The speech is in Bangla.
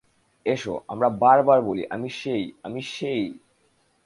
এস, আমরা বার বার বলি আমি সেই, আমি সেই।